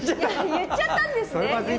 言っちゃったんですね？